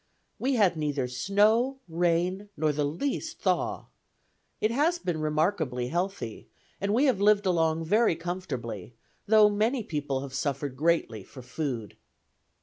"We had neither snow, rain, nor the least thaw. It has been remarkably healthy, and we have lived along very comfortably, though many people have suffered greatly for food."